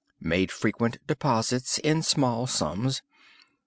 Made frequent deposits in small sums.